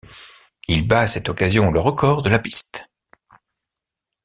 Il bat à cette occasion le record de la piste.